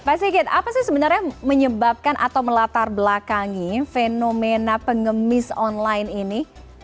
pak sigit apa sih sebenarnya menyebabkan atau melatar belakangi fenomena pengemis online ini